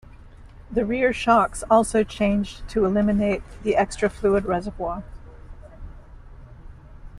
The rear shocks also changed to eliminate the extra fluid reservoir.